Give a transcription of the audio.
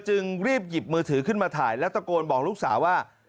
จึงรีบหยิบมือถือขึ้นมาถ่ายแล้วตะโกนบอกลูกสาวว่า